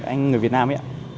anh người việt nam ấy